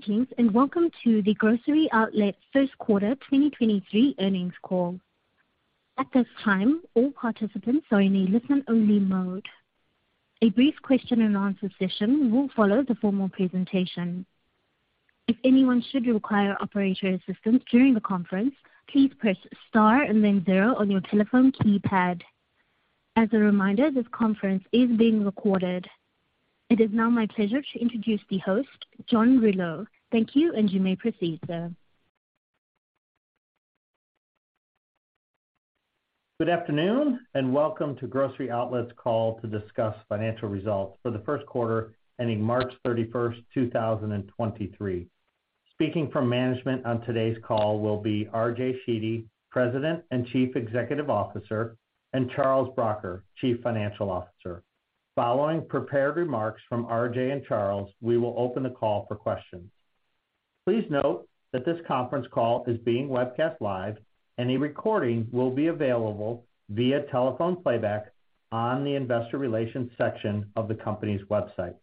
Greetings, welcome to the Grocery Outlet first quarter 2023 earnings call. At this time, all participants are in a listen-only mode. A brief question and answer session will follow the formal presentation. If anyone should require operator assistance during the conference, please press Star and then zero on your telephone keypad. As a reminder, this conference is being recorded. It is now my pleasure to introduce the host, John Rouleau. Thank you. You may proceed, sir. Good afternoon, welcome to Grocery Outlet's call to discuss financial results for the first quarter ending March 31st, 2023. Speaking from management on today's call will be RJ Sheedy, President and Chief Executive Officer, and Charles Bracher, Chief Financial Officer. Following prepared remarks from RJ and Charles, we will open the call for questions. Please note that this conference call is being webcast live, and a recording will be available via telephone playback on the investor relations section of the company's website.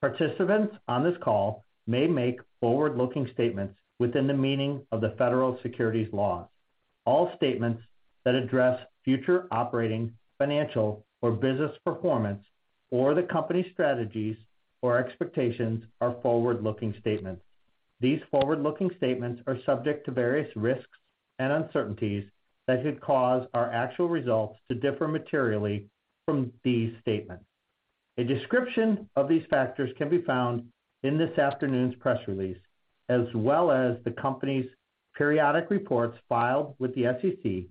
Participants on this call may make forward-looking statements within the meaning of the federal securities law. All statements that address future operating, financial, or business performance, or the company's strategies or expectations are forward-looking statements. These forward-looking statements are subject to various risks and uncertainties that could cause our actual results to differ materially from these statements. A description of these factors can be found in this afternoon's press release, as well as the company's periodic reports filed with the SEC,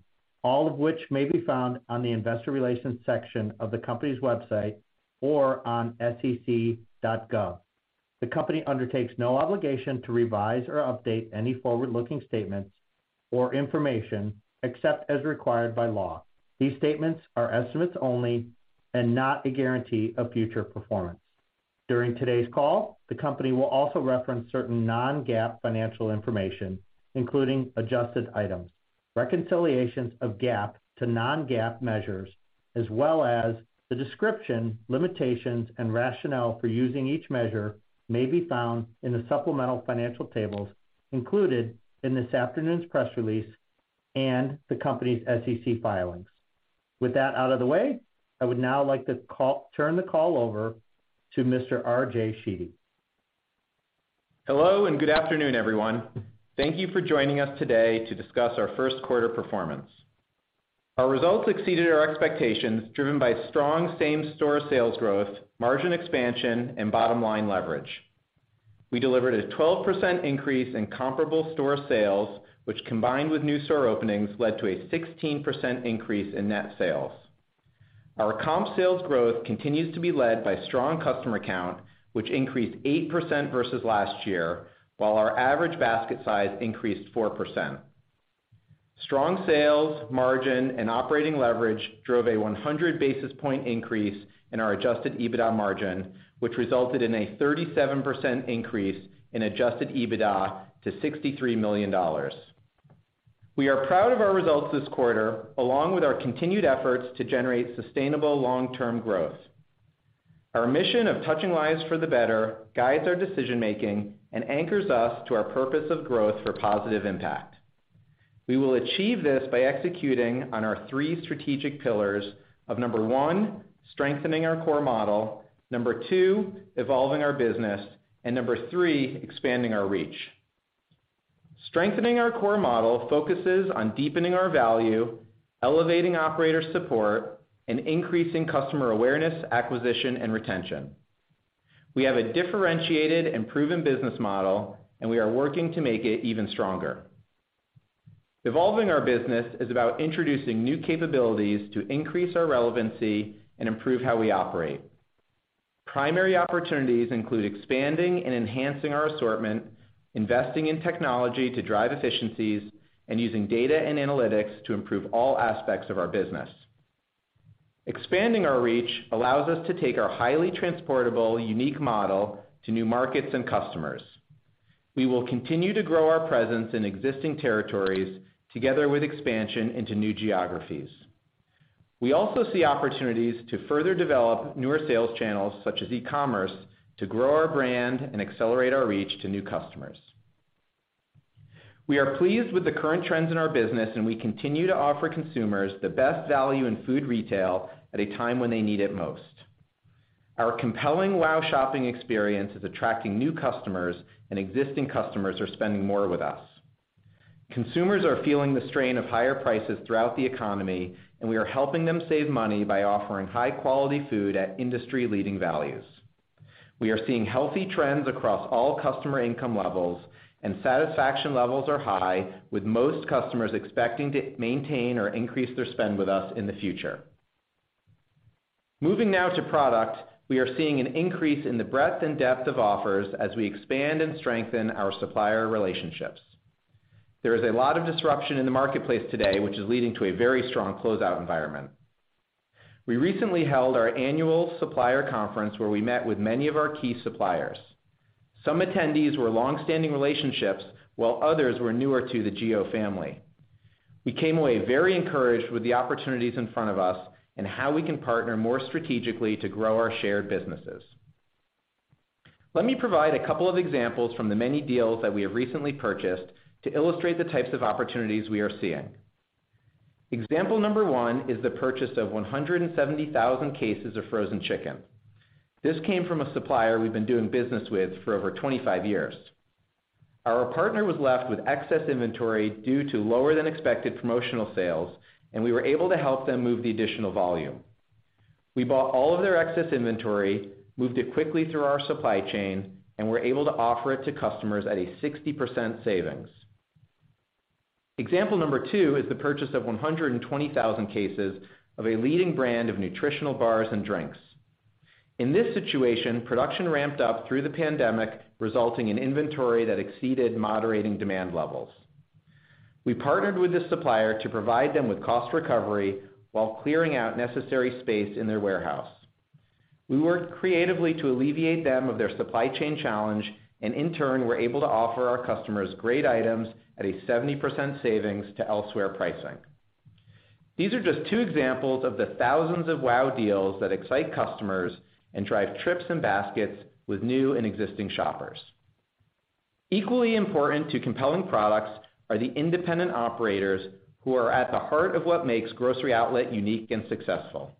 all of which may be found on the investor relations section of the company's website or on sec.gov. The company undertakes no obligation to revise or update any forward-looking statements or information, except as required by law. These statements are estimates only and not a guarantee of future performance. During today's call, the company will also reference certain non-GAAP financial information, including adjusted items. Reconciliations of GAAP to non-GAAP measures, as well as the description, limitations, and rationale for using each measure may be found in the supplemental financial tables included in this afternoon's press release and the company's SEC filings. With that out of the way, I would now like to turn the call over to Mr. RJ Sheedy. Hello, good afternoon, everyone. Thank you for joining us today to discuss our first quarter performance. Our results exceeded our expectations, driven by strong same-store sales growth, margin expansion, and bottom-line leverage. We delivered a 12% increase in comparable store sales, which combined with new store openings led to a 16% increase in net sales. Our comp sales growth continues to be led by strong customer count, which increased 8% versus last year, while our average basket size increased 4%. Strong sales, margin, and operating leverage drove a 100 basis point increase in our Adjusted EBITDA margin, which resulted in a 37% increase in Adjusted EBITDA to $63 million. We are proud of our results this quarter, along with our continued efforts to generate sustainable long-term growth. Our mission of touching lives for the better guides our decision-making and anchors us to our purpose of growth for positive impact. We will achieve this by executing on our three strategic pillars of, number one, strengthening our core model, number two, evolving our business, and number three, expanding our reach. Strengthening our core model focuses on deepening our value, elevating operator support, and increasing customer awareness, acquisition, and retention. We have a differentiated and proven business model, and we are working to make it even stronger. Evolving our business is about introducing new capabilities to increase our relevancy and improve how we operate. Primary opportunities include expanding and enhancing our assortment, investing in technology to drive efficiencies, and using data and analytics to improve all aspects of our business. Expanding our reach allows us to take our highly transportable, unique model to new markets and customers. We will continue to grow our presence in existing territories together with expansion into new geographies. We also see opportunities to further develop newer sales channels, such as e-commerce, to grow our brand and accelerate our reach to new customers. We are pleased with the current trends in our business, and we continue to offer consumers the best value in food retail at a time when they need it most. Our compelling wow shopping experience is attracting new customers, and existing customers are spending more with us. Consumers are feeling the strain of higher prices throughout the economy, and we are helping them save money by offering high-quality food at industry-leading values. We are seeing healthy trends across all customer income levels, and satisfaction levels are high with most customers expecting to maintain or increase their spend with us in the future. Moving now to product, we are seeing an increase in the breadth and depth of offers as we expand and strengthen our supplier relationships. There is a lot of disruption in the marketplace today, which is leading to a very strong closeout environment. We recently held our annual supplier conference, where we met with many of our key suppliers. Some attendees were long-standing relationships, while others were newer to the GO family. We came away very encouraged with the opportunities in front of us and how we can partner more strategically to grow our shared businesses. Let me provide a couple of examples from the many deals that we have recently purchased to illustrate the types of opportunities we are seeing. Example number one is the purchase of 170,000 cases of frozen chicken. This came from a supplier we've been doing business with for over 25 years. Our partner was left with excess inventory due to lower than expected promotional sales, and we were able to help them move the additional volume. We bought all of their excess inventory, moved it quickly through our supply chain, and were able to offer it to customers at a 60% savings. Example number two is the purchase of 120,000 cases of a leading brand of nutritional bars and drinks. In this situation, production ramped up through the pandemic, resulting in inventory that exceeded moderating demand levels. We partnered with the supplier to provide them with cost recovery while clearing out necessary space in their warehouse. We worked creatively to alleviate them of their supply chain challenge, and in turn, were able to offer our customers great items at a 70% savings to elsewhere pricing. These are just two examples of the thousands of wow deals that excite customers and drive trips and baskets with new and existing shoppers. Equally important to compelling products are the independent operators who are at the heart of what makes Grocery Outlet unique and successful.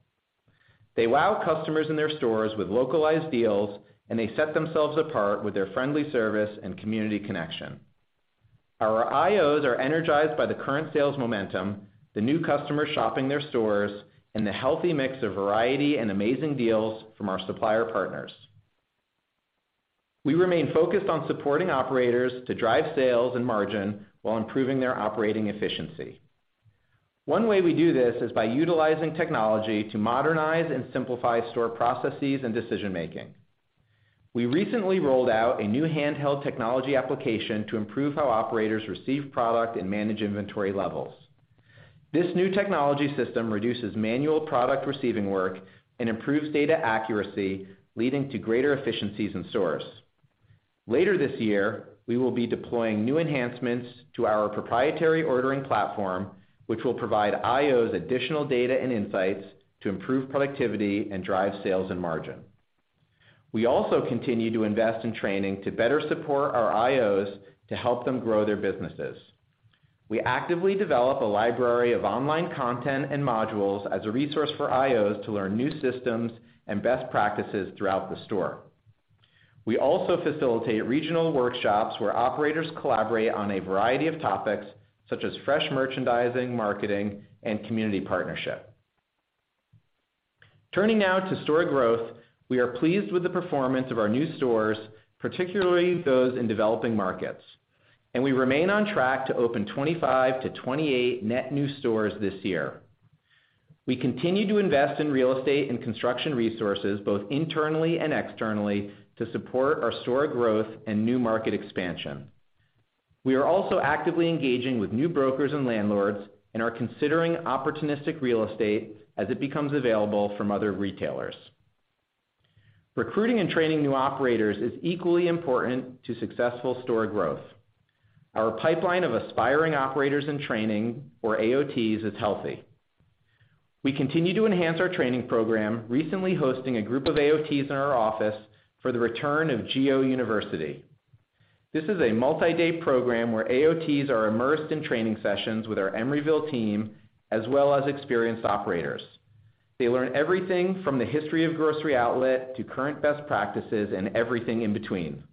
They wow customers in their stores with localized deals, and they set themselves apart with their friendly service and community connection. Our IOs are energized by the current sales momentum, the new customers shopping their stores, and the healthy mix of variety and amazing deals from our supplier partners. We remain focused on supporting operators to drive sales and margin while improving their operating efficiency. One way we do this is by utilizing technology to modernize and simplify store processes and decision-making. We recently rolled out a new handheld technology application to improve how operators receive product and manage inventory levels. This new technology system reduces manual product receiving work and improves data accuracy, leading to greater efficiencies in stores. Later this year, we will be deploying new enhancements to our proprietary ordering platform, which will provide IOs additional data and insights to improve productivity and drive sales and margin. We also continue to invest in training to better support our IOs to help them grow their businesses. We actively develop a library of online content and modules as a resource for IOs to learn new systems and best practices throughout the store. We also facilitate regional workshops where operators collaborate on a variety of topics such as fresh merchandising, marketing, and community partnership. Turning now to store growth, we are pleased with the performance of our new stores, particularly those in developing markets, and we remain on track to open 25-28 net new stores this year. We continue to invest in real estate and construction resources, both internally and externally, to support our store growth and new market expansion. We are also actively engaging with new brokers and landlords and are considering opportunistic real estate as it becomes available from other retailers. Recruiting and training new operators is equally important to successful store growth. Our pipeline of Aspiring Operators in Training, or AOTs, is healthy. We continue to enhance our training program, recently hosting a group of AOTs in our office for the return of GO University. This is a multi-day program where AOTs are immersed in training sessions with our Emeryville team, as well as experienced operators. They learn everything from the history of Grocery Outlet to current best practices and everything in between.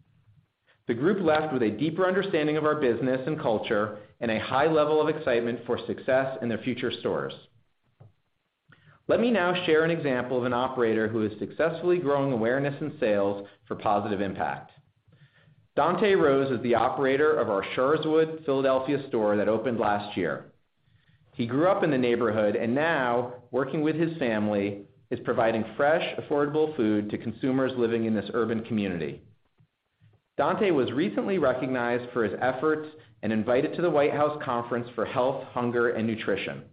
The group left with a deeper understanding of our business and culture and a high level of excitement for success in their future stores. Let me now share an example of an operator who is successfully growing awareness and sales for positive impact. Donta Rose is the operator of our Sharswood Philadelphia store that opened last year. He grew up in the neighborhood and now, working with his family, is providing fresh, affordable food to consumers living in this urban community. Donta was recently recognized for his efforts and invited to the White House Conference on Hunger, Nutrition, and Health.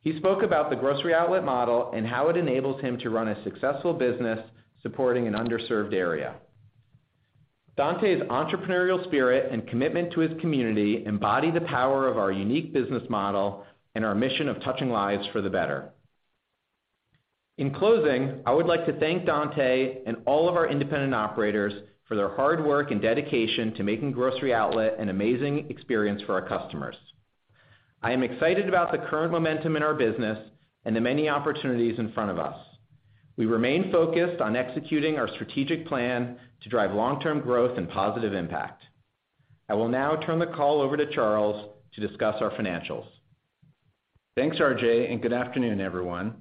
He spoke about the Grocery Outlet model and how it enables him to run a successful business supporting an underserved area. Donta's entrepreneurial spirit and commitment to his community embody the power of our unique business model and our mission of touching lives for the better. In closing, I would like to thank Donta and all of our Independent Operators for their hard work and dedication to making Grocery Outlet an amazing experience for our customers. I am excited about the current momentum in our business and the many opportunities in front of us. We remain focused on executing our strategic plan to drive long-term growth and positive impact. I will now turn the call over to Charles to discuss our financials. Thanks, RJ. Good afternoon, everyone.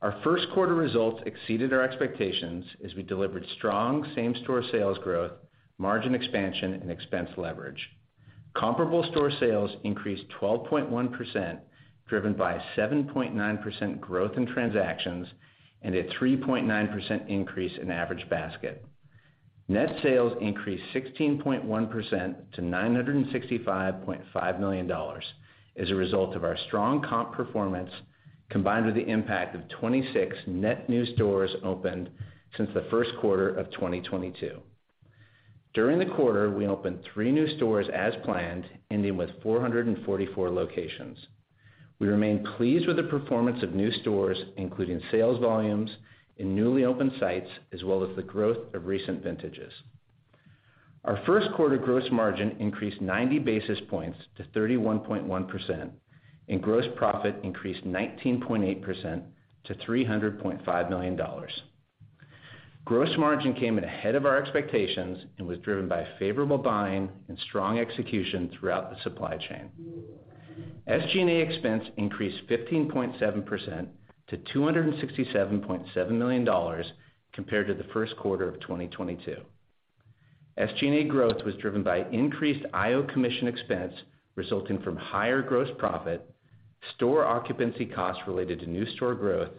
Our first quarter results exceeded our expectations as we delivered strong same-store sales growth, margin expansion, and expense leverage. Comparable store sales increased 12.1%, driven by 7.9% growth in transactions and a 3.9% increase in average basket. Net sales increased 16.1% to $965.5 million as a result of our strong comp performance combined with the impact of 26 net new stores opened since the first quarter of 2022. During the quarter, we opened three new stores as planned, ending with 444 locations. We remain pleased with the performance of new stores, including sales volumes in newly opened sites, as well as the growth of recent vintages. Our first quarter gross margin increased 90 basis points to 31.1%, and gross profit increased 19.8% to $300.5 million. Gross margin came in ahead of our expectations and was driven by favorable buying and strong execution throughout the supply chain. SG&A expense increased 15.7% to $267.7 million compared to the first quarter of 2022. SG&A growth was driven by increased IO commission expense resulting from higher gross profit, store occupancy costs related to new store growth,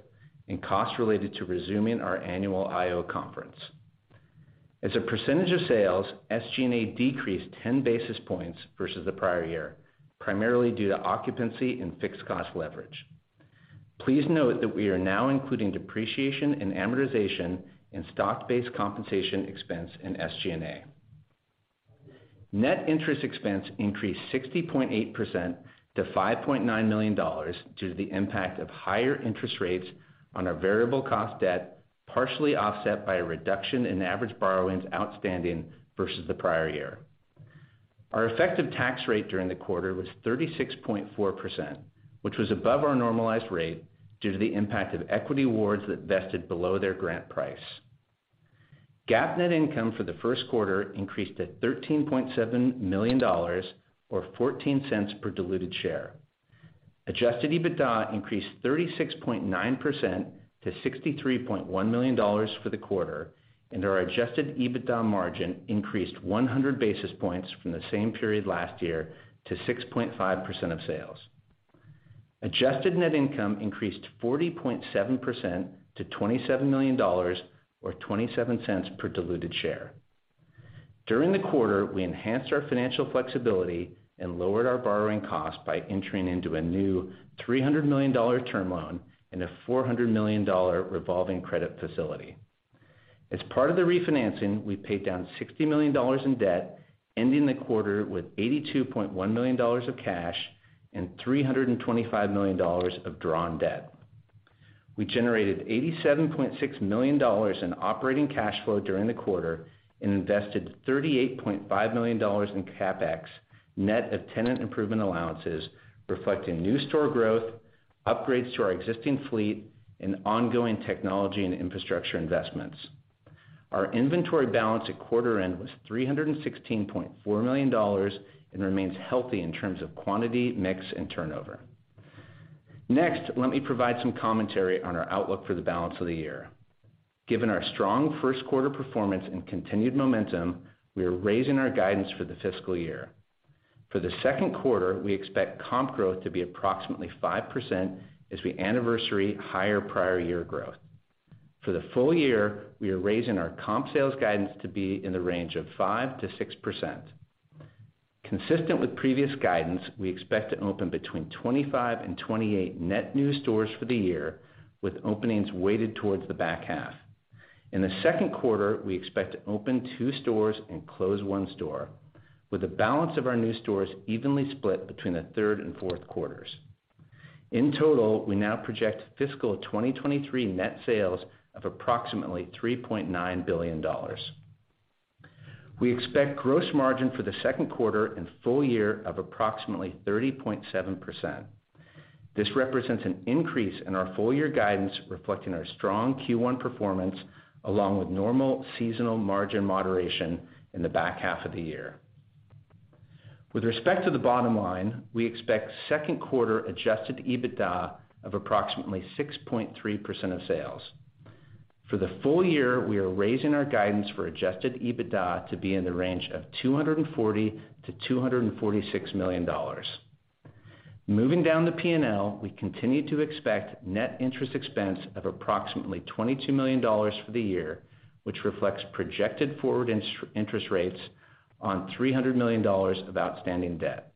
and costs related to resuming our annual IO conference. As a percentage of sales, SG&A decreased 10 basis points versus the prior year, primarily due to occupancy and fixed cost leverage. Please note that we are now including depreciation and amortization and stock-based compensation expense in SG&A. Net interest expense increased 60.8% to $5.9 million due to the impact of higher interest rates on our variable cost debt, partially offset by a reduction in average borrowings outstanding versus the prior year. Our effective tax rate during the quarter was 36.4%, which was above our normalized rate due to the impact of equity awards that vested below their grant price. GAAP net income for the first quarter increased to $13.7 million, or $0.14 per diluted share. Adjusted EBITDA increased 36.9% to $63.1 million for the quarter, and our Adjusted EBITDA margin increased 100 basis points from the same period last year to 6.5% of sales. Adjusted net income increased 40.7% to $27 million or $0.27 per diluted share. During the quarter, we enhanced our financial flexibility and lowered our borrowing cost by entering into a new $300 million term loan and a $400 million revolving credit facility. As part of the refinancing, we paid down $60 million in debt, ending the quarter with $82.1 million of cash and $325 million of drawn debt. We generated $87.6 million in operating cash flow during the quarter and invested $38.5 million in CapEx, net of tenant improvement allowances, reflecting new store growth, upgrades to our existing fleet, and ongoing technology and infrastructure investments. Our inventory balance at quarter end was $316.4 million and remains healthy in terms of quantity, mix, and turnover. Next, let me provide some commentary on our outlook for the balance of the year. Given our strong first quarter performance and continued momentum, we are raising our guidance for the fiscal year. For the second quarter, we expect comp growth to be approximately 5% as we anniversary higher prior year growth. For the full year, we are raising our comp sales guidance to be in the range of 5%-6%. Consistent with previous guidance, we expect to open between 25 and 28 net new stores for the year, with openings weighted towards the back half. In the second quarter, we expect to open two stores and close one store, with the balance of our new stores evenly split between the third and fourth quarters. In total, we now project fiscal 2023 net sales of approximately $3.9 billion. We expect gross margin for the second quarter and full year of approximately 30.7%. This represents an increase in our full year guidance, reflecting our strong Q1 performance, along with normal seasonal margin moderation in the back half of the year. With respect to the bottom line, we expect second quarter Adjusted EBITDA of approximately 6.3% of sales. For the full year, we are raising our guidance for Adjusted EBITDA to be in the range of $240 million-$246 million. Moving down the P&L, we continue to expect net interest expense of approximately $22 million for the year, which reflects projected forward interest rates on $300 million of outstanding debt.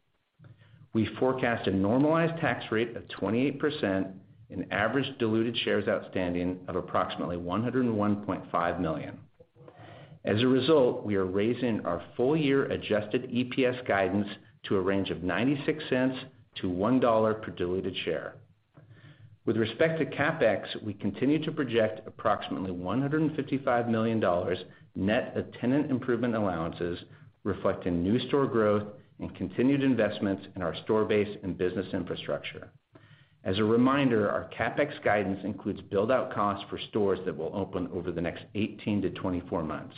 We forecast a normalized tax rate of 28% and average diluted shares outstanding of approximately 101.5 million. As a result, we are raising our full year adjusted EPS guidance to a range of $0.96-$1.00 per diluted share. With respect to CapEx, we continue to project approximately $155 million net of tenant improvement allowances, reflecting new store growth and continued investments in our store base and business infrastructure. As a reminder, our CapEx guidance includes build-out costs for stores that will open over the next 18-24 months.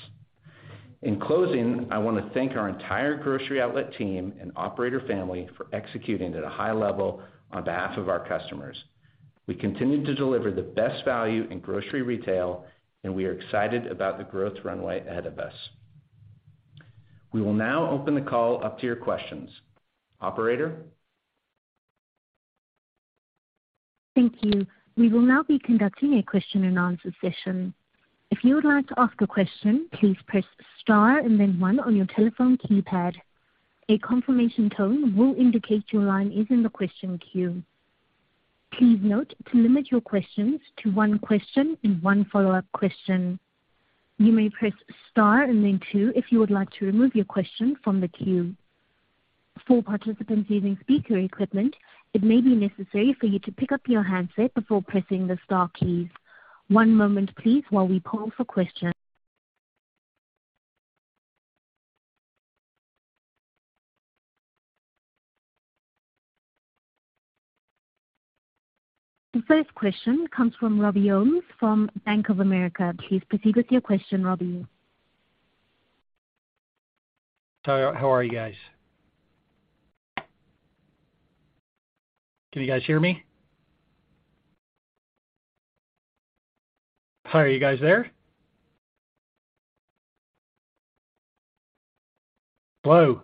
In closing, I wanna thank our entire Grocery Outlet team and operator family for executing at a high level on behalf of our customers. We continue to deliver the best value in grocery retail, we are excited about the growth runway ahead of us. We will now open the call up to your questions. Operator? Thank you. We will now be conducting a question and answer session. If you would like to ask a question, please press star and then one on your telephone keypad. A confirmation tone will indicate your line is in the question queue. Please note to limit your questions to one question and one follow-up question. You may press star and then two if you would like to remove your question from the queue. For participants using speaker equipment, it may be necessary for you to pick up your handset before pressing the star keys. One moment please while we poll for questions. The first question comes from Robby Ohmes from Bank of America. Please proceed with your question, Robby. Sorry, how are you guys? Can you guys hear me? Hi, are you guys there? Hello.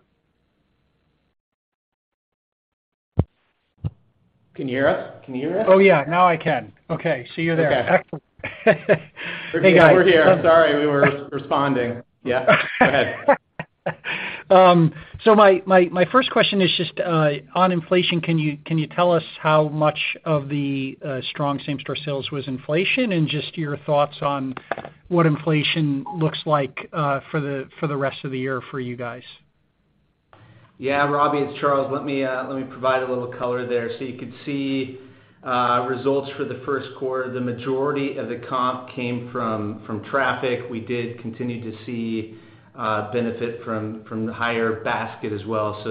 Can you hear us? Can you hear us? Oh, yeah. Now I can. Okay. You're there. Okay. Excellent. Hey, guys. We're here. I'm sorry we were responding. Go ahead. My first question is just on inflation. Can you tell us how much of the strong same-store sales was inflation and just your thoughts on what inflation looks like for the rest of the year for you guys? Yeah, Robby, it's Charles. Let me, let me provide a little color there. You could see results for the first quarter. The majority of the comp came from traffic. We did continue to see benefit from the higher basket as well.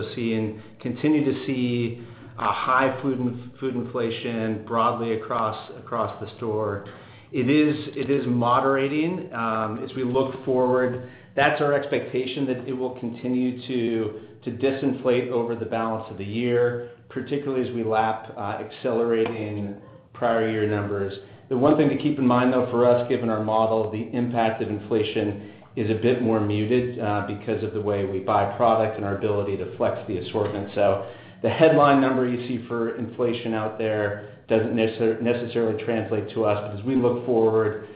Continue to see a high food inflation broadly across the store. It is moderating. As we look forward, that's our expectation that it will continue to disinflate over the balance of the year, particularly as we lap accelerating prior year numbers. The one thing to keep in mind, though, for us, given our model, the impact of inflation is a bit more muted because of the way we buy product and our ability to flex the assortment. The headline number you see for inflation out there doesn't necessarily translate to us because we look forward,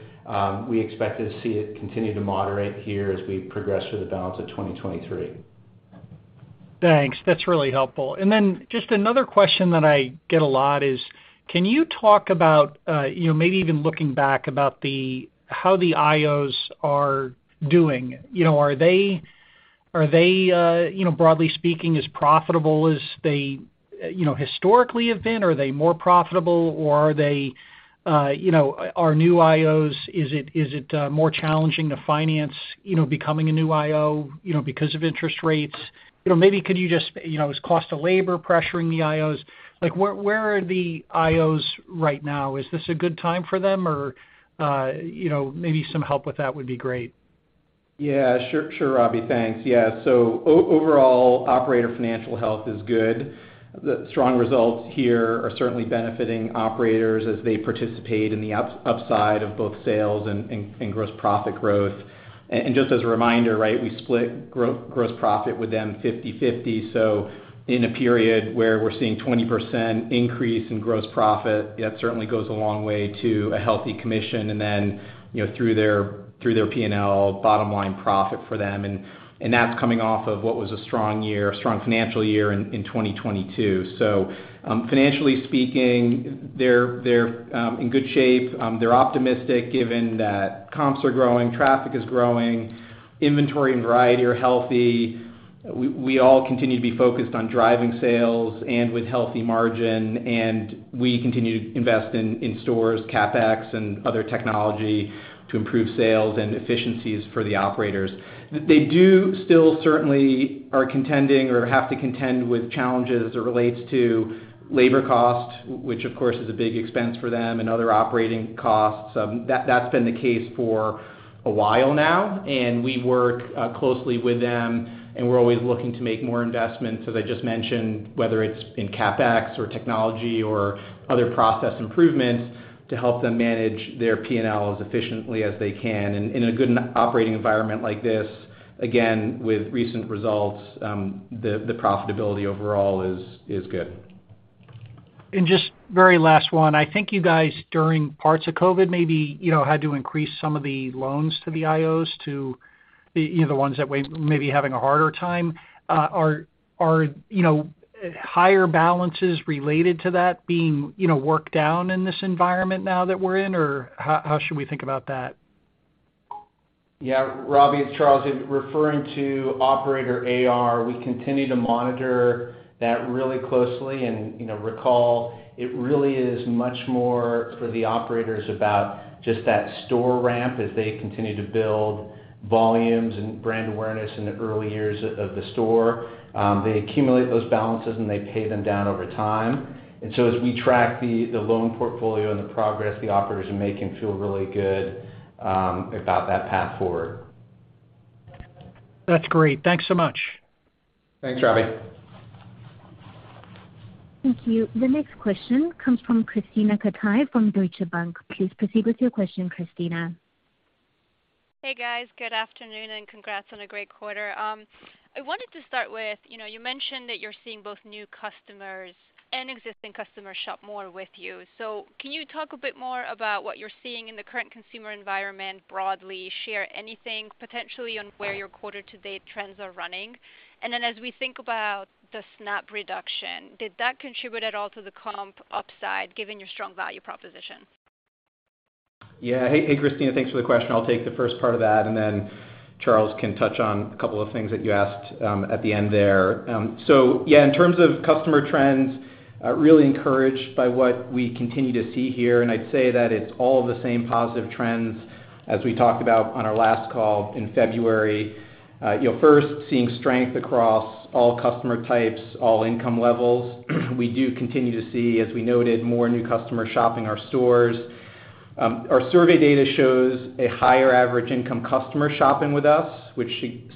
we expect to see it continue to moderate here as we progress through the balance of 2023. Thanks. That's really helpful. Just another question that I get a lot is can you talk about, you know, maybe even looking back about how the IOs are doing. You know, are they, you know, broadly speaking, as profitable as they, you know, historically have been? Are they more profitable or are they, you know, are new IOs... Is it, more challenging to finance, you know, becoming a new IO, you know, because of interest rates? You know, maybe could you just, you know, is cost of labor pressuring the IOs? Like, where are the IOs right now? Is this a good time for them or, you know, maybe some help with that would be great. Sure. Sure, Robby. Thanks. Overall, operator financial health is good. The strong results here are certainly benefiting operators as they participate in the upside of both sales and gross profit growth. Just as a reminder, right, we split gross profit with them 50/50. In a period where we're seeing 20% increase in gross profit, that certainly goes a long way to a healthy commission and then, you know, through their, through their P&L bottom line profit for them. That's coming off of what was a strong year, a strong financial year in 2022. Financially speaking, they're in good shape. They're optimistic given that comps are growing, traffic is growing, inventory and variety are healthy. We all continue to be focused on driving sales and with healthy margin. We continue to invest in stores, CapEx, and other technology to improve sales and efficiencies for the operators. They do still certainly are contending or have to contend with challenges as it relates to labor cost, which of course is a big expense for them and other operating costs. That's been the case for a while now. We work closely with them, and we're always looking to make more investments, as I just mentioned, whether it's in capex or technology or other process improvements to help them manage their P&L as efficiently as they can. In a good operating environment like this, again, with recent results, the profitability overall is good. Just very last one. I think you guys during parts of COVID maybe, you know, had to increase some of the loans to the IOs to, you know, the ones that were maybe having a harder time. Are, you know, higher balances related to that being, you know, worked down in this environment now that we're in? Or how should we think about that? Yeah. Robbie, it's Charles. Referring to operator AR, we continue to monitor that really closely. You know, recall it really is much more for the operators about just that store ramp as they continue to build volumes and brand awareness in the early years of the store. They accumulate those balances, and they pay them down over time. As we track the loan portfolio and the progress the operators are making feel really good about that path forward. That's great. Thanks so much. Thanks, Robby. Thank you. The next question comes from Krisztina Katai from Deutsche Bank. Please proceed with your question, Krisztina. Hey, guys. Good afternoon, and congrats on a great quarter. I wanted to start with, you know, you mentioned that you're seeing both new customers and existing customers shop more with you. Can you talk a bit more about what you're seeing in the current consumer environment broadly, share anything potentially on where your quarter to date trends are running? As we think about the SNAP reduction, did that contribute at all to the comp upside given your strong value proposition? Yeah. Hey, Krisztina. Thanks for the question. I'll take the first part of that, and then Charles can touch on a couple of things that you asked at the end there. Yeah, in terms of customer trends, really encouraged by what we continue to see here, and I'd say that it's all the same positive trends as we talked about on our last call in February. You know, first seeing strength across all customer types, all income levels. We do continue to see, as we noted, more new customer shopping our stores. Our survey data shows a higher average income customer shopping with us, which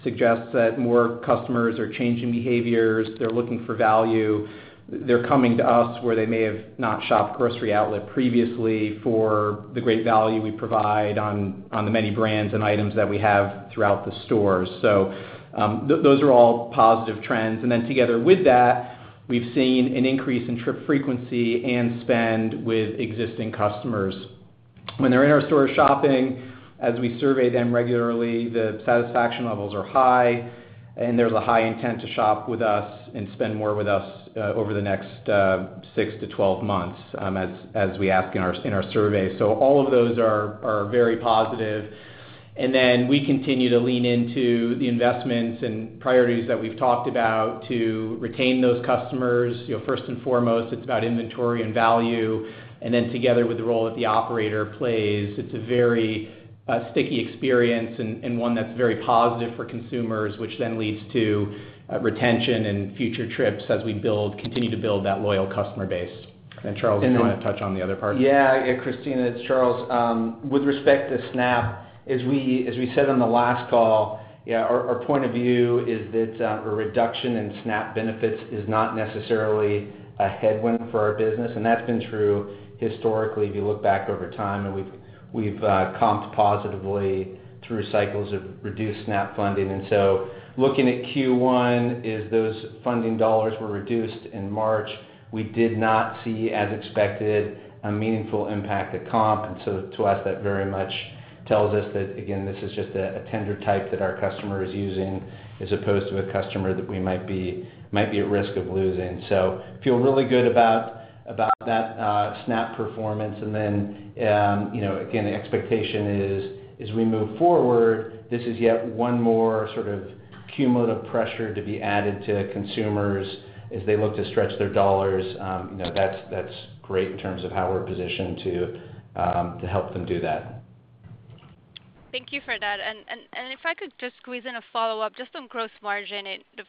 suggests that more customers are changing behaviors. They're looking for value. They're coming to us where they may have not shopped Grocery Outlet previously for the great value we provide on the many brands and items that we have throughout the stores. Those are all positive trends. Together with that, we've seen an increase in trip frequency and spend with existing customers. When they're in our store shopping, as we survey them regularly, the satisfaction levels are high, and there's a high intent to shop with us and spend more with us, over the next, six to twelve months, as we ask in our, in our survey. All of those are very positive. We continue to lean into the investments and priorities that we've talked about to retain those customers. You know, first and foremost, it's about inventory and value. Together with the role that the operator plays, it's a very sticky experience and one that's very positive for consumers, which then leads to retention and future trips as we continue to build that loyal customer base. Charles, do you wanna touch on the other part? Krisztina, it's Charles. With respect to SNAP, as we said on the last call, our point of view is that a reduction in SNAP benefits is not necessarily a headwind for our business, and that's been true historically, if you look back over time. We've comped positively through cycles of reduced SNAP funding. Looking at Q1, as those funding dollars were reduced in March, we did not see, as expected, a meaningful impact to comp. To us, that very much tells us that again, this is just a tender type that our customer is using as opposed to a customer that we might be at risk of losing. So feel really good about that SNAP performance. You know, again, the expectation is as we move forward, this is yet one more sort of cumulative pressure to be added to consumers as they look to stretch their dollars. You know, that's great in terms of how we're positioned to help them do that. Thank you for that. If I could just squeeze in a follow-up just on gross margin. The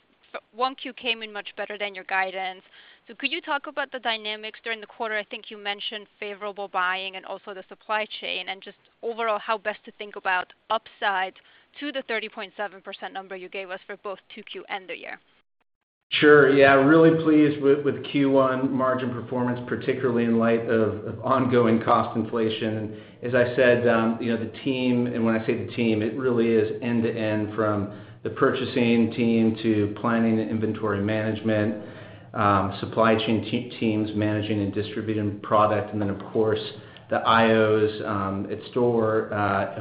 1Q came in much better than your guidance. Could you talk about the dynamics during the quarter? I think you mentioned favorable buying and also the supply chain, and just overall how best to think about upside to the 30.7% number you gave us for both 2Q and the year. Sure. Yeah, really pleased with Q1 margin performance, particularly in light of ongoing cost inflation. As I said, you know, the team, and when I say the team, it really is end-to-end from the purchasing team to planning and inventory management, supply chain teams managing and distributing product and then of course the IOs at store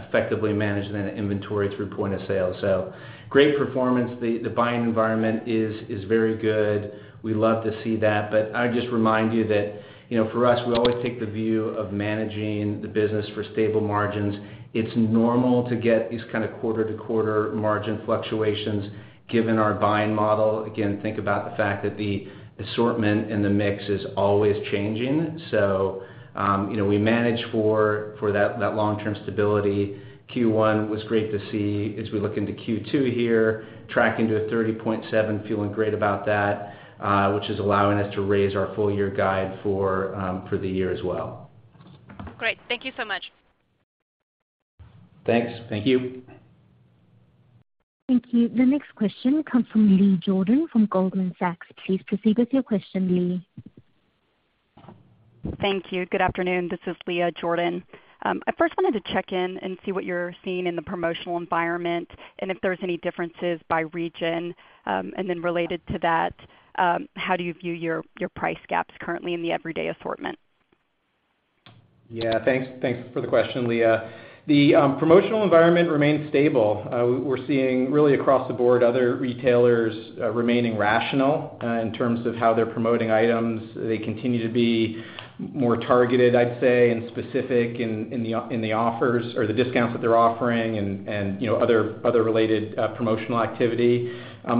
effectively managing the inventory through point of sale. Great performance. The buying environment is very good. We love to see that. I'd just remind you that, you know, for us, we always take the view of managing the business for stable margins. It's normal to get these kind of quarter-to-quarter margin fluctuations given our buying model. Again, think about the fact that the assortment and the mix is always changing. You know, we manage for that long-term stability. Q1 was great to see. As we look into Q2 here, tracking to a 30.7, feeling great about that, which is allowing us to raise our full year guide for the year as well. Great. Thank you so much. Thanks. Thank you. Thank you. The next question comes from Leah Jordan from Goldman Sachs. Please proceed with your question, Leah. Thank you. Good afternoon. This is Leah Jordan. I first wanted to check in and see what you're seeing in the promotional environment and if there's any differences by region. Then related to that, how do you view your price gaps currently in the everyday assortment? Thanks, thanks for the question, Leah. The promotional environment remains stable. We're seeing really across the board other retailers remaining rational in terms of how they're promoting items. They continue to be more targeted, I'd say, and specific in the offers or the discounts that they're offering and, you know, other related promotional activity.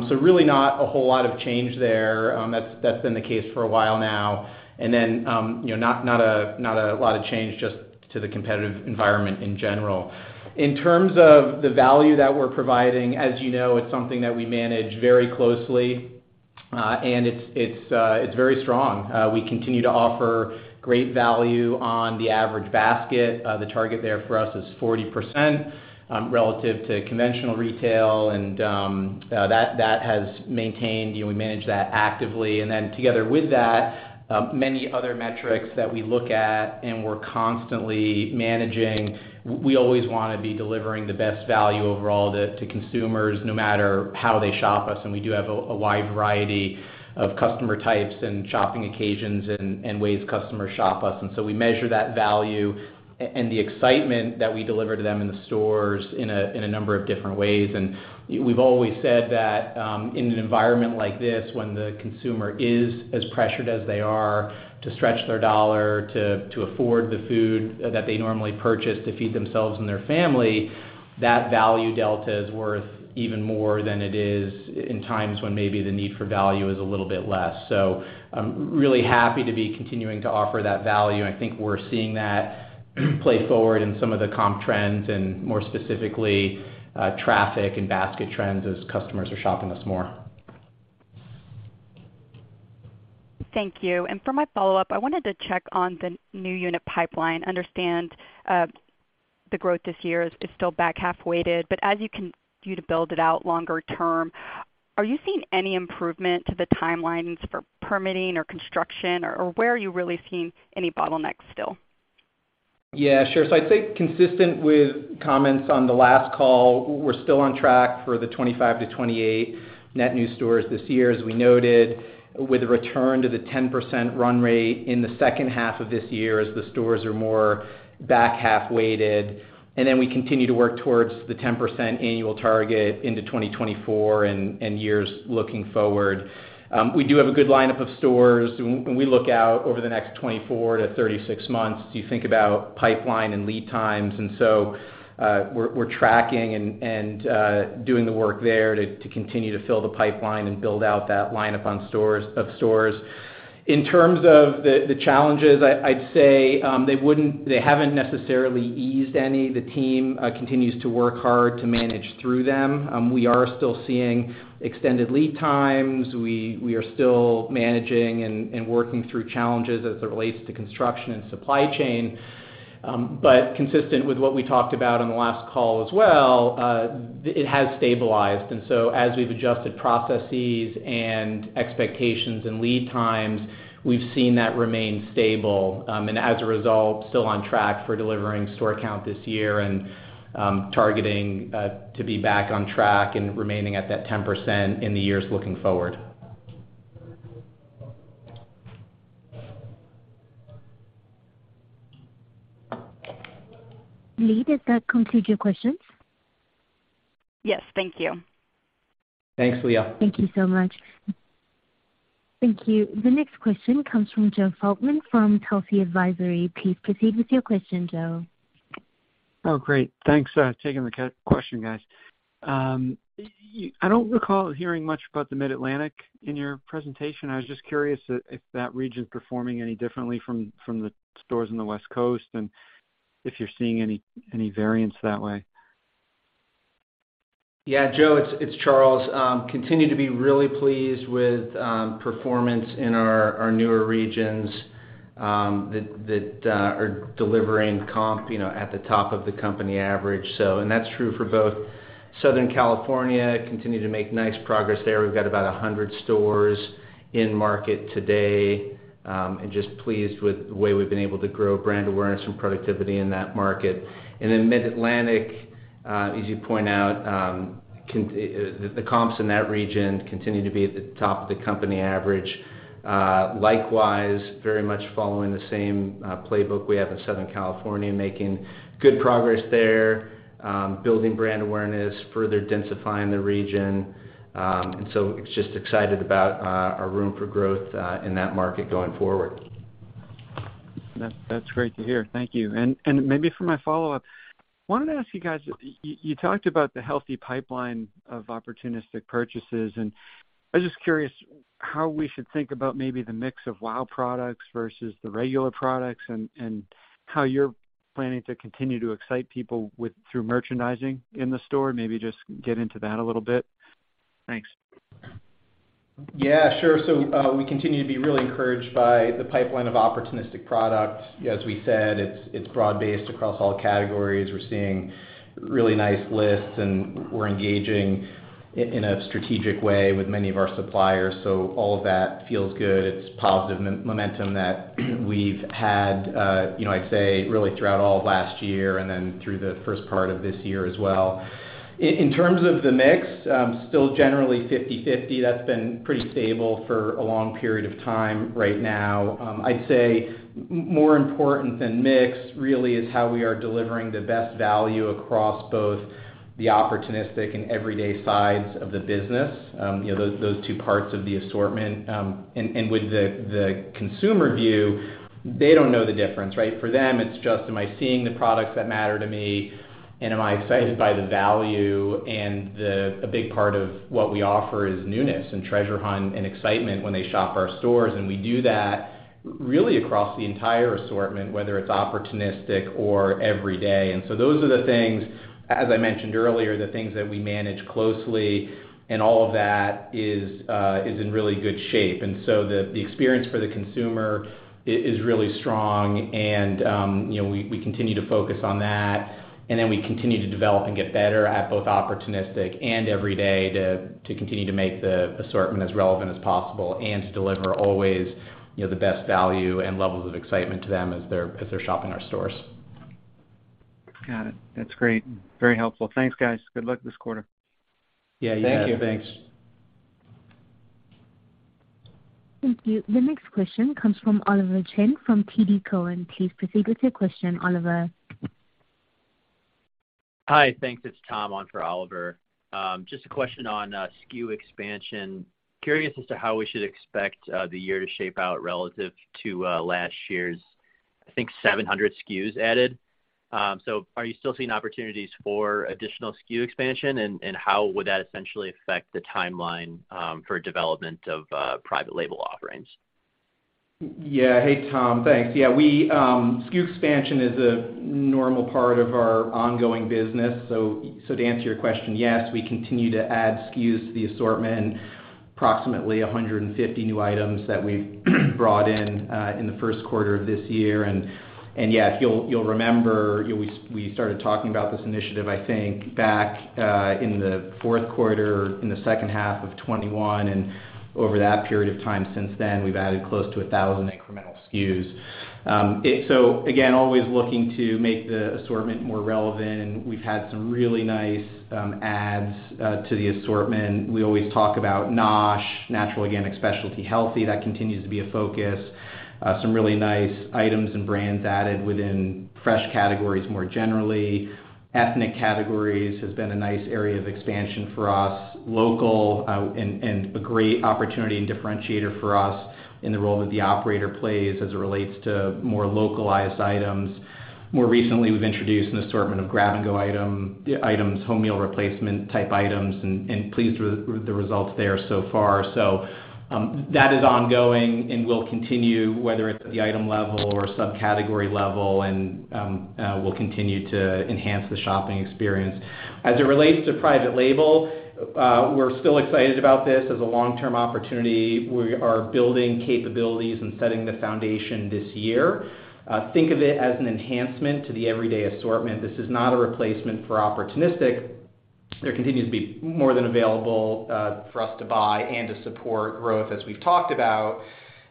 Really not a whole lot of change there. That's been the case for a while now. You know, not a lot of change just to the competitive environment in general. In terms of the value that we're providing, as you know, it's something that we manage very closely, and it's very strong. We continue to offer great value on the average basket. The target there for us is 40% relative to conventional retail, and that has maintained. You know, we manage that actively. Together with that, many other metrics that we look at and we're constantly managing, we always wanna be delivering the best value overall to consumers no matter how they shop us, and we do have a wide variety of customer types and shopping occasions and ways customers shop us. We measure that value and the excitement that we deliver to them in the stores in a number of different ways. We've always said that, in an environment like this, when the consumer is as pressured as they are to stretch their dollar to afford the food that they normally purchase to feed themselves and their family, that value delta is worth even more than it is in times when maybe the need for value is a little bit less. Really happy to be continuing to offer that value, and I think we're seeing that play forward in some of the comp trends and more specifically, traffic and basket trends as customers are shopping us more. Thank you. For my follow-up, I wanted to check on the new unit pipeline. Understand, the growth this year is still back half weighted, but as you continue to build it out longer term, are you seeing any improvement to the timelines for permitting or construction or where are you really seeing any bottlenecks still? Yeah, sure. I'd say consistent with comments on the last call, we're still on track for the 25 to 28 net new stores this year, as we noted, with a return to the 10% run rate in the second half of this year as the stores are more back half weighted. We continue to work towards the 10% annual target into 2024 and years looking forward. We do have a good lineup of stores when we look out over the next 24 to 36 months as you think about pipeline and lead times. We're tracking and doing the work there to continue to fill the pipeline and build out that lineup of stores. In terms of the challenges, I'd say, they haven't necessarily eased any. The team continues to work hard to manage through them. We are still seeing extended lead times. We are still managing and working through challenges as it relates to construction and supply chain. Consistent with what we talked about on the last call as well, it has stabilized. As we've adjusted processes and expectations and lead times, we've seen that remain stable, and as a result, still on track for delivering store count this year and targeting to be back on track and remaining at that 10% in the years looking forward. Lee, does that conclude your questions? Yes. Thank you. Thanks, Leah. Thank you so much. Thank you. The next question comes from Joe Feldman from Telsey Advisory. Please proceed with your question, Joe. Great. Thanks for taking the question, guys. I don't recall hearing much about the Mid-Atlantic in your presentation. I was just curious if that region is performing any differently from the stores in the West Coast and if you're seeing any variance that way. Yeah, Joe, it's Charles. Continue to be really pleased with performance in our newer regions that are delivering comp, you know, at the top of the company average. That's true for both Southern California, continue to make nice progress there. We've got about 100 stores in market today, and just pleased with the way we've been able to grow brand awareness and productivity in that market. Then Mid-Atlantic, as you point out, the comps in that region continue to be at the top of the company average. Likewise, very much following the same playbook we have in Southern California, making good progress there, building brand awareness, further densifying the region. Just excited about our room for growth in that market going forward. That's great to hear. Thank you. Maybe for my follow-up, wanted to ask you guys, you talked about the healthy pipeline of opportunistic purchases, and I'm just curious how we should think about maybe the mix of WOW products versus the regular products and how you're planning to continue to excite people through merchandising in the store. Maybe just get into that a little bit. Thanks. Yeah, sure. We continue to be really encouraged by the pipeline of opportunistic products. As we said, it's broad-based across all categories. We're seeing really nice lists, and we're engaging in a strategic way with many of our suppliers. All of that feels good. It's positive momentum that we've had, you know, I'd say really throughout all of last year and then through the first part of this year as well. In terms of the mix, still generally 50/50. That's been pretty stable for a long period of time right now. I'd say more important than mix really is how we are delivering the best value across both the opportunistic and everyday sides of the business, you know, those two parts of the assortment. With the consumer view, they don't know the difference, right? For them, it's just, am I seeing the products that matter to me, and am I excited by the value? A big part of what we offer is newness and treasure hunt and excitement when they shop our stores. We do that really across the entire assortment, whether it's opportunistic or every day. Those are the things, as I mentioned earlier, the things that we manage closely and all of that is in really good shape. The experience for the consumer is really strong and, you know, we continue to focus on that. We continue to develop and get better at both opportunistic and every day to continue to make the assortment as relevant as possible and to deliver always, you know, the best value and levels of excitement to them as they're shopping our stores. Got it. That's great. Very helpful. Thanks, guys. Good luck this quarter. Yeah. You bet. Thanks. Thank you. The next question comes from Oliver Chen from TD Cowen. Please proceed with your question, Oliver. Hi. Thanks. It's Tom on for Oliver. Just a question on SKU expansion. Curious as to how we should expect the year to shape out relative to last year's, I think, 700 SKUs added. Are you still seeing opportunities for additional SKU expansion? How would that essentially affect the timeline for development of private label offerings? Hey, Tom. Thanks. Yeah, we SKU expansion is a normal part of our ongoing business. To answer your question, yes, we continue to add SKUs to the assortment, approximately 150 new items that we've brought in in the first quarter of this year. Yeah, you'll remember we started talking about this initiative, I think back in the fourth quarter, in the second half of 2021. Over that period of time since then, we've added close to 1,000 incremental SKUs. Again, always looking to make the assortment more relevant. We've had some really nice adds to the assortment. We always talk about NOSH, natural, organic, specialty, healthy. That continues to be a focus. Some really nice items and brands added within fresh categories more generally. Ethnic categories has been a nice area of expansion for us. Local, and a great opportunity and differentiator for us in the role that the operator plays as it relates to more localized items. More recently, we've introduced an assortment of grab-and-go items, home meal replacement type items, and pleased with the results there so far. That is ongoing and will continue whether it's at the item level or subcategory level, and we'll continue to enhance the shopping experience. As it relates to private label, we're still excited about this as a long-term opportunity. We are building capabilities and setting the foundation this year. Think of it as an enhancement to the everyday assortment. This is not a replacement for opportunistic. There continues to be more than available for us to buy and to support growth as we've talked about.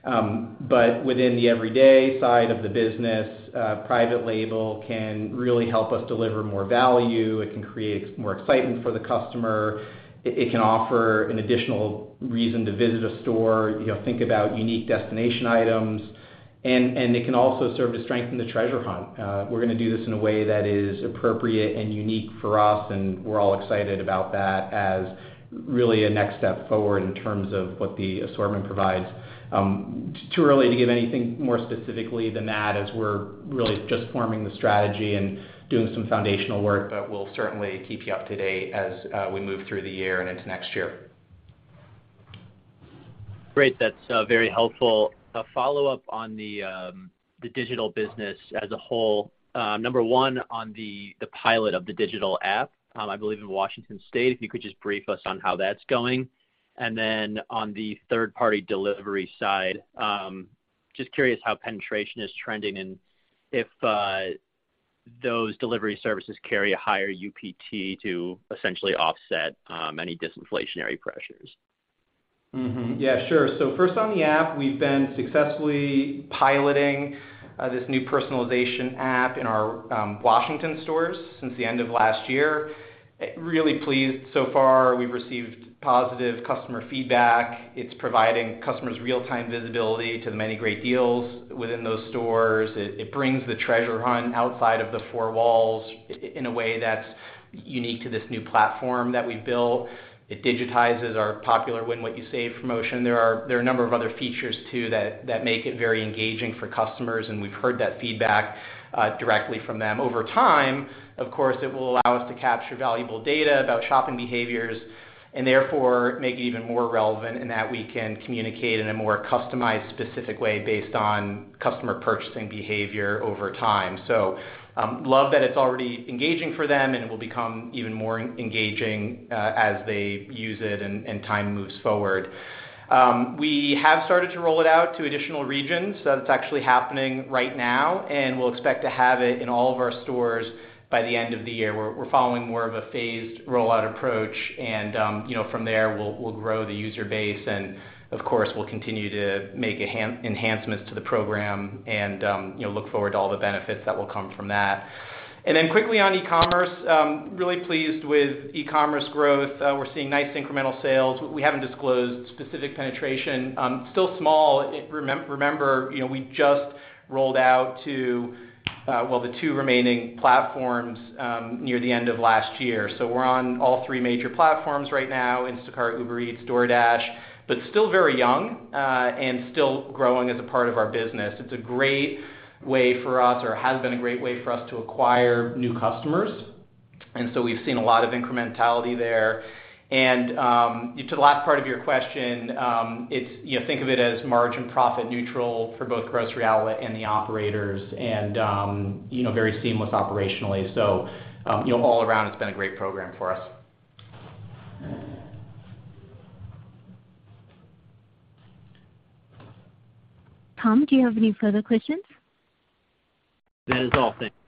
Within the everyday side of the business, private label can really help us deliver more value. It can create more excitement for the customer. It can offer an additional reason to visit a store, you know, think about unique destination items, and it can also serve to strengthen the treasure hunt. We're gonna do this in a way that is appropriate and unique for us, and we're all excited about that as really a next step forward in terms of what the assortment provides. Too early to give anything more specifically than that as we're really just forming the strategy and doing some foundational work, but we'll certainly keep you up to date as we move through the year and into next year. Great. That's very helpful. A follow-up on the digital business as a whole. Number one, on the pilot of the digital app, I believe in Washington State, if you could just brief us on how that's going. On the third-party delivery side, just curious how penetration is trending and if those delivery services carry a higher UPT to essentially offset any disinflationary pressures. Yeah, sure. First on the app, we've been successfully piloting this new personalization app in our Washington stores since the end of last year. Really pleased so far. We've received positive customer feedback. It's providing customers real-time visibility to the many great deals within those stores. It brings the treasure hunt outside of the four walls in a way that's unique to this new platform that we built. It digitizes our popular Win What You Save promotion. There are a number of other features too that make it very engaging for customers, and we've heard that feedback directly from them. Over time, of course, it will allow us to capture valuable data about shopping behaviors and therefore make it even more relevant in that we can communicate in a more customized, specific way based on customer purchasing behavior over time. Love that it's already engaging for them and it will become even more engaging as they use it and time moves forward. We have started to roll it out to additional regions. That's actually happening right now, and we'll expect to have it in all of our stores by the end of the year. We're following more of a phased rollout approach and, you know, from there, we'll grow the user base and of course, we'll continue to make enhancements to the program and, you know, look forward to all the benefits that will come from that. Quickly on e-commerce, really pleased with e-commerce growth. We're seeing nice incremental sales. We haven't disclosed specific penetration. Still small. Remember, you know, we just rolled out to, well, the two remaining platforms, near the end of last year. We're on all three major platforms right now, Instacart, Uber Eats, DoorDash, but still very young and still growing as a part of our business. It's a great way for us, or has been a great way for us to acquire new customers. We've seen a lot of incrementality there. To the last part of your question, you know, think of it as margin profit neutral for both Grocery Outlet and the operators and, you know, very seamless operationally. You know, all around it's been a great program for us. Tom, do you have any further questions? That is all. Thank you.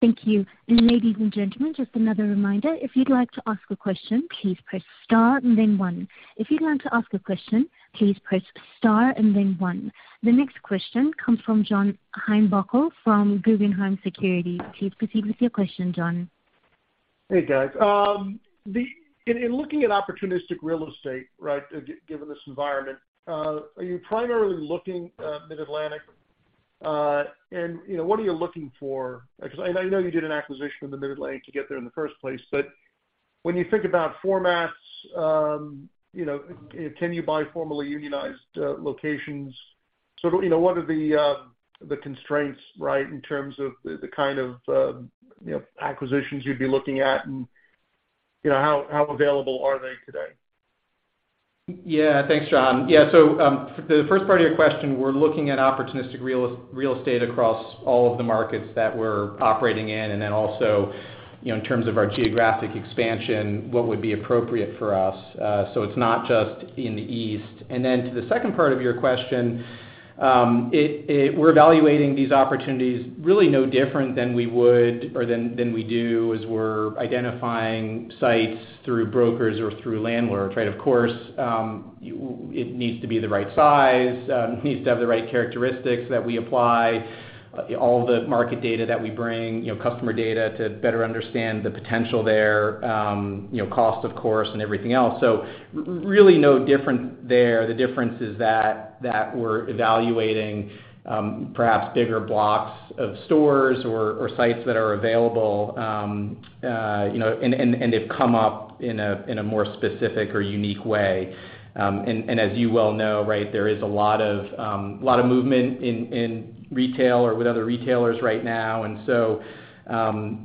Thank you. Ladies and gentlemen, just another reminder, if you'd like to ask a question, please press star and then one. If you'd like to ask a question, please press star and then one. The next question comes from John Heinbockel from Guggenheim Securities. Please proceed with your question, John. Hey, guys. In looking at opportunistic real estate, right, given this environment, are you primarily looking, Mid-Atlantic? You know, what are you looking for? I know you did an acquisition in the Mid-Atlantic to get there in the first place, but when you think about formats, you know, can you buy formally unionized, locations? Sort of, you know, what are the constraints, right, in terms of the kind of, you know, acquisitions you'd be looking at. You know, how available are they today? Thanks, John. The first part of your question, we're looking at opportunistic real estate across all of the markets that we're operating in, also, you know, in terms of our geographic expansion, what would be appropriate for us. It's not just in the East. To the second part of your question, it we're evaluating these opportunities really no different than we would or than we do as we're identifying sites through brokers or through landlords, right? Of course, it needs to be the right size, needs to have the right characteristics that we apply, all the market data that we bring, you know, customer data to better understand the potential there, cost, of course, and everything else. Really no different there. The difference is that we're evaluating, perhaps bigger blocks of stores or sites that are available, and they've come up in a more specific or unique way. As you well know, right, there is a lot of movement in retail or with other retailers right now.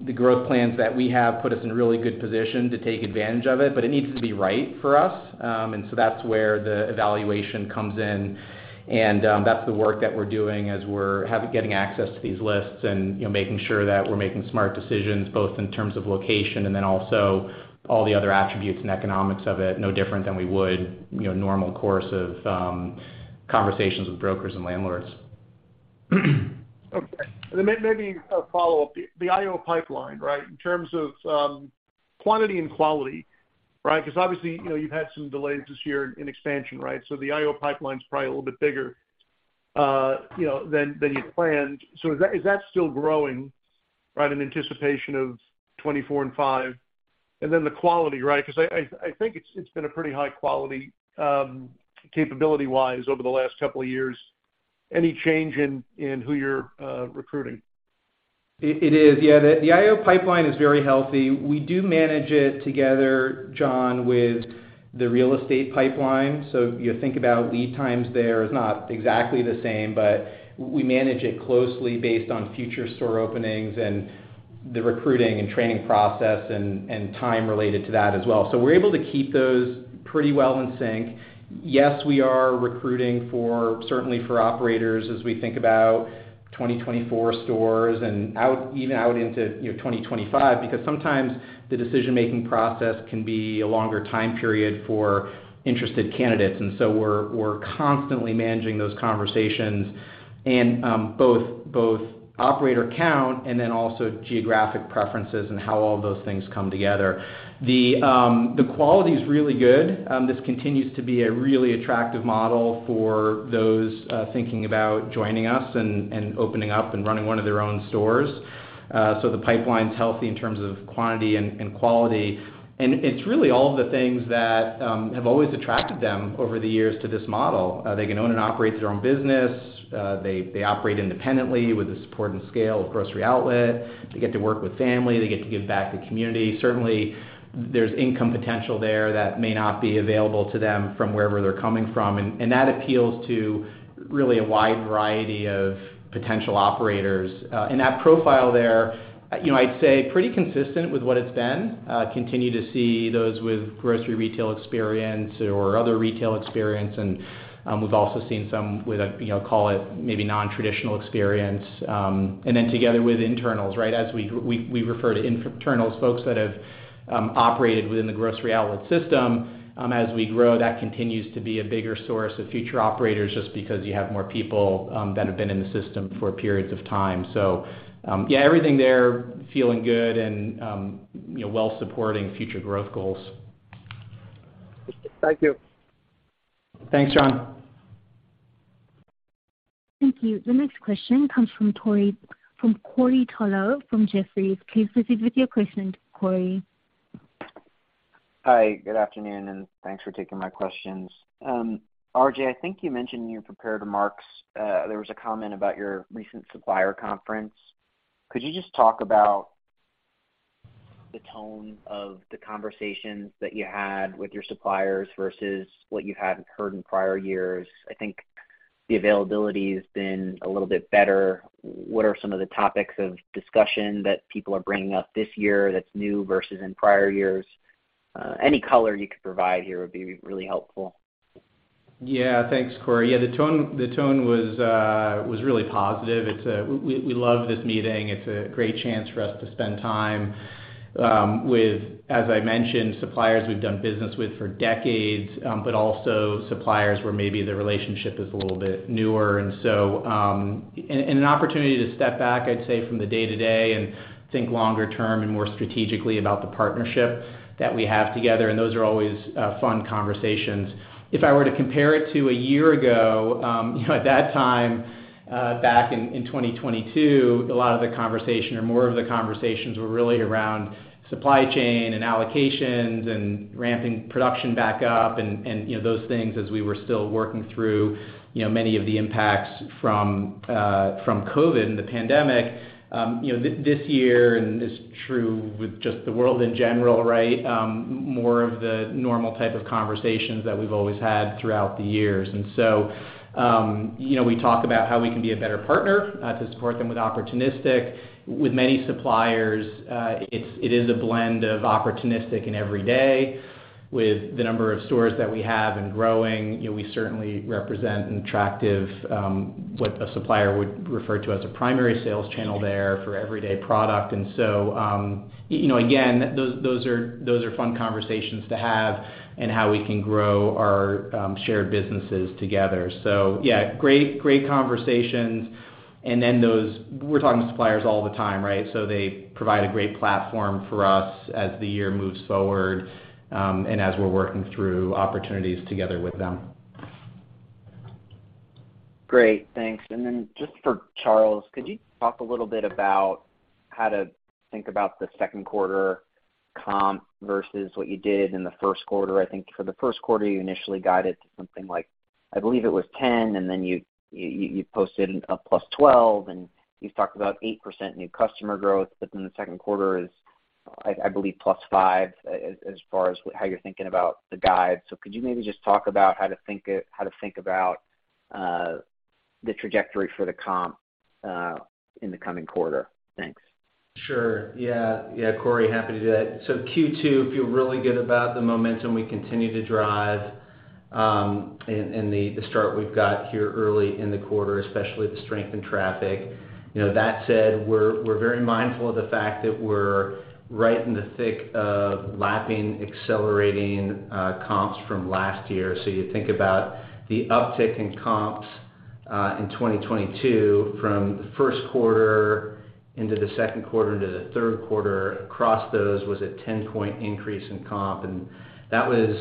The growth plans that we have put us in a really good position to take advantage of it, but it needs to be right for us. That's where the evaluation comes in, and that's the work that we're doing as we're getting access to these lists and, you know, making sure that we're making smart decisions, both in terms of location and then also all the other attributes and economics of it, no different than we would, you know, normal course of conversations with brokers and landlords. Okay. Then maybe a follow-up. The IO pipeline, right, in terms of quantity and quality, right? Obviously, you know, you've had some delays this year in expansion, right? The IO pipeline's probably a little bit bigger, you know, than you'd planned. Is that, is that still growing, right, in anticipation of 2024 and 2025? Then the quality, right? I think it's been a pretty high quality, capability-wise over the last couple of years. Any change in who you're recruiting? It is. Yeah, the IO pipeline is very healthy. We do manage it together, John, with the real estate pipeline. You think about lead times there. It's not exactly the same, but we manage it closely based on future store openings and the recruiting and training process and time related to that as well. We're able to keep those pretty well in sync. Yes, we are recruiting for, certainly for operators as we think about 2024 stores and even out into, you know, 2025, because sometimes the decision-making process can be a longer time period for interested candidates. We're constantly managing those conversations and both operator count and then also geographic preferences and how all of those things come together. The quality is really good. This continues to be a really attractive model for those thinking about joining us and opening up and running one of their own stores. The pipeline's healthy in terms of quantity and quality. It's really all the things that have always attracted them over the years to this model. They can own and operate their own business. They, they operate independently with the support and scale of Grocery Outlet. They get to work with family. They get to give back to community. Certainly, there's income potential there that may not be available to them from wherever they're coming from. That appeals to really a wide variety of potential operators. That profile there, you know, I'd say pretty consistent with what it's been. Continue to see those with grocery retail experience or other retail experience. We've also seen some with a, you know, call it maybe non-traditional experience, and then together with internals, right? As we refer to in-internals, folks that have operated within the Grocery Outlet system, as we grow, that continues to be a bigger source of future operators just because you have more people that have been in the system for periods of time. Yeah, everything there feeling good and, you know, well supporting future growth goals. Thank you. Thanks, John. Thank you. The next question comes from Corey Tarlowe from Jefferies. Please proceed with your question, Corey. Hi, good afternoon, and thanks for taking my questions. RJ, I think you mentioned in your prepared remarks, there was a comment about your recent supplier conference. Could you just talk about the tone of the conversations that you had with your suppliers versus what you had heard in prior years? I think the availability has been a little bit better. What are some of the topics of discussion that people are bringing up this year that's new versus in prior years? Any color you could provide here would be really helpful. Yeah. Thanks, Corey. Yeah, the tone was really positive. It's, we love this meeting. It's a great chance for us to spend time with, as I mentioned, suppliers we've done business with for decades, but also suppliers where maybe the relationship is a little bit newer. So, and an opportunity to step back, I'd say, from the day-to-day and think longer term and more strategically about the partnership that we have together. Those are always fun conversations. If I were to compare it to a year ago, you know, at that time, back in 2022, a lot of the conversation or more of the conversations were really around supply chain and allocations and ramping production back up and, you know, those things as we were still working through, you know, many of the impacts from COVID and the pandemic. You know, this year, and it's true with just the world in general, right? More of the normal type of conversations that we've always had throughout the years. You know, we talk about how we can be a better partner to support them with opportunistic. With many suppliers, it is a blend of opportunistic and every day. With the number of stores that we have and growing, you know, we certainly represent an attractive, what a supplier would refer to as a primary sales channel there for everyday product. Again, those are, those are fun conversations to have and how we can grow our shared businesses together. Yeah, great conversations. We're talking to suppliers all the time, right? They provide a great platform for us as the year moves forward, and as we're working through opportunities together with them. Great. Thanks. Then just for Charles, could you talk a little bit about how to think about the second quarter comp versus what you did in the first quarter. I think for the first quarter, you initially guided to something like, I believe it was 10, and then you posted a +12, and you talked about 8% new customer growth. Then the second quarter is, I believe, +5 as far as how you're thinking about the guide. Could you maybe just talk about how to think about the trajectory for the comp in the coming quarter? Thanks. Sure. Yeah. Yeah, Corey, happy to do that. Q2, feel really good about the momentum we continue to drive in the start we've got here early in the quarter, especially the strength in traffic. You know, that said, we're very mindful of the fact that we're right in the thick of lapping accelerating comps from last year. You think about the uptick in comps in 2022 from the first quarter into the second quarter into the third quarter. Across those was a 10-point increase in comp. That was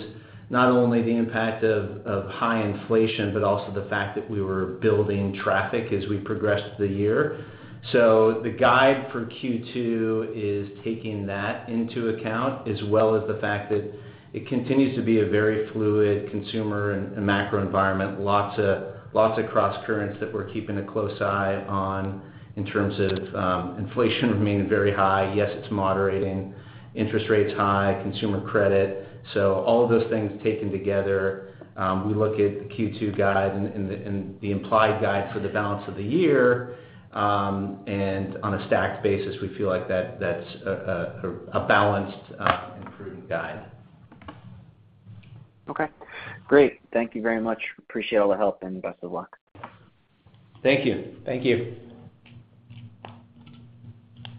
not only the impact of high inflation, but also the fact that we were building traffic as we progressed the year. The guide for Q2 is taking that into account, as well as the fact that it continues to be a very fluid consumer and macro environment. Lots of crosscurrents that we're keeping a close eye on in terms of inflation remaining very high. Yes, it's moderating. Interest rates high, consumer credit. All of those things taken together, we look at the Q2 guide and the implied guide for the balance of the year. On a stacked basis, we feel like that's a balanced and prudent guide. Okay, great. Thank you very much. Appreciate all the help and best of luck. Thank you. Thank you.